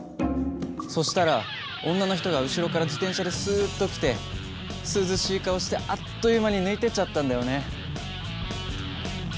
そしたら女の人が後ろから自転車でスッと来て涼しい顔してあっという間に抜いてっちゃったんだよね。